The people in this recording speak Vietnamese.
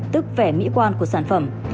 tức vẻ mỹ quan của sản phẩm